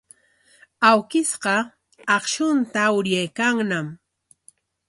Awkishqa akshunta uryaykanñam.